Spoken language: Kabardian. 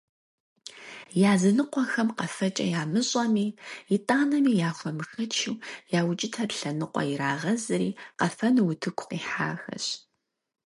Языныкъуэхэм къэфэкӏэ ямыщӏэми, итӏанэми яхуэмышэчу, я укӏытэр лъэныкъуэ ирагъэзри къэфэну утыку къихьахэщ.